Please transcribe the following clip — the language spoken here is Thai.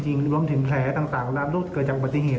หรือล้มถึงแผลต่างและลูกเกิดจากปฏิเหตุ